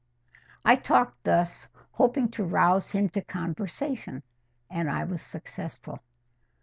I talked thus, hoping to rouse him to conversation, and I was successful.